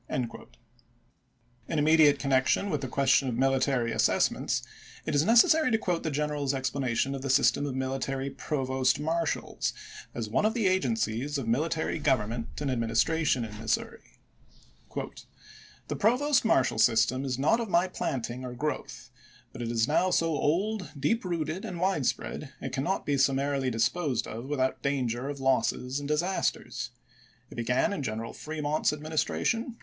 pp. 42, «'. In immediate connection with, the question of military assessments, it is necessary to quote the general's explanation of the system of military provost marshals, as one of the agencies of mili tary government and administration in Missouri: The provost marshal system is not of my planting or i863. growth, but is now so old, deep rooted, and widespread it cannot be summarily disposed of without danger of losses and disasters. It began in General Fremont's adminis tration.